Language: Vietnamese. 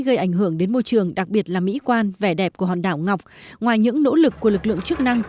ngoài những nỗ lực của lực lượng trái phép các đối tượng đã tìm cách lén lút đưa phương tiện vào trộm khai thác khoáng sản